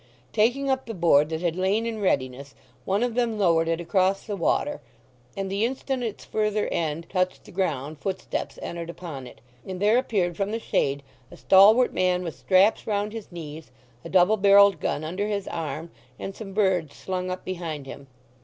Taking up the board that had lain in readiness one of them lowered it across the water, and the instant its further end touched the ground footsteps entered upon it, and there appeared from the shade a stalwart man with straps round his knees, a double barrelled gun under his arm and some birds slung up behind him.